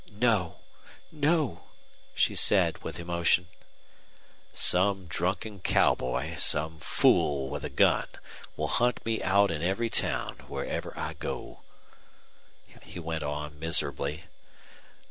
"No, no!" she said, with emotion. "Some drunken cowboy, some fool with a gun, will hunt me out in every town, wherever I go," he went on, miserably.